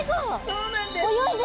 そうなんです。